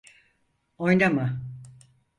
Oynama.